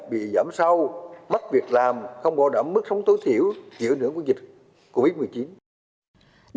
bị giảm sau mất việc làm không bảo đảm mức sống tối thiểu giữa nửa quốc dịch covid một mươi chín